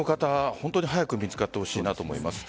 ホントに早く見つかってほしいなと思います。